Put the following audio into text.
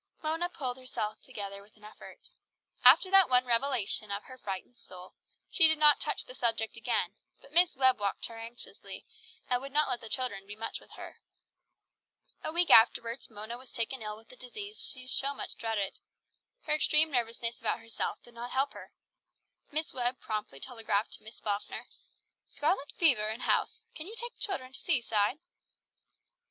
Mona pulled herself together with an effort. After that one revelation of her frightened soul, she did not touch upon the subject again, but Miss Webb watched her anxiously, and would not let the children be much with her. A week afterwards, Mona was taken ill with the disease she so much dreaded. Her extreme nervousness about herself did not help her. Miss Webb promptly telegraphed to Miss Falkner "Scarlet fever in house. Can you take children to seaside?"